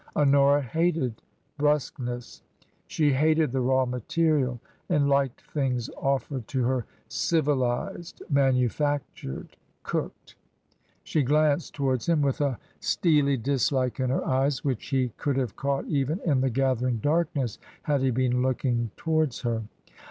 Honora hated brusqueness. She hated the raw material and liked things offered to her civilized — manufactured — cooked. She glanced towards him with a steely dislike in her eyes which he could have caught even in the gathering darkness had he been looking towards her.